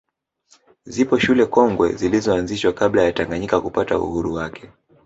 Zipo shule kongwe zilizoanzishwa kabla ya Tanganyika kupata uhuru wake